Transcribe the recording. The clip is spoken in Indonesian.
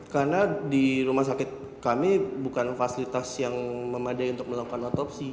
karena di rumah sakit kami bukan fasilitas yang memadai untuk melakukan otopsi